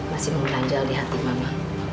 masih mengganjal di hati mama